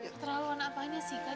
keterlaluan apanya sih kak